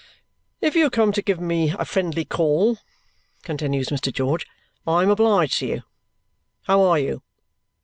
"If you have come to give me a friendly call," continues Mr. George, "I am obliged to you; how are you?